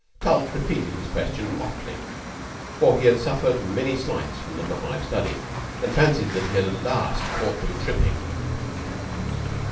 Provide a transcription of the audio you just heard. Tulke repeated his question hotly, for he had suffered many slights from Number Five study, and fancied that he had at last caught them tripping.